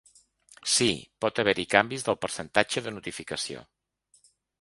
Sí, pot haver-hi canvis del percentatge de notificació.